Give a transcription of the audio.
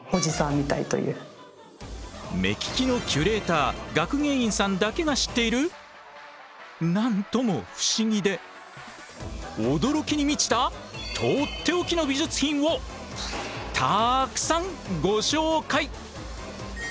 目利きのキュレーター学芸員さんだけが知っている何とも不思議で驚きに満ちたとっておきの美術品をたくさんご紹介。